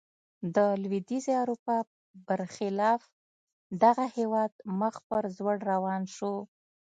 د لوېدیځې اروپا برخلاف دغه هېواد مخ پر ځوړ روان شو.